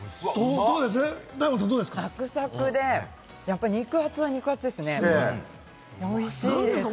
サクサクで、肉厚は肉厚ですね、おいしいです。